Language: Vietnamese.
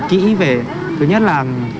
kỹ về thứ nhất là